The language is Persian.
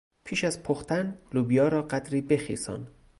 پیش از پختن لوبیا را قدری بخیسان.